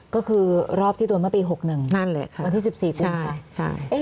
ก็คือรอบที่โดนมาปี๖๑วันที่๑๔กลุ่มค่ะนั่นแหละค่ะใช่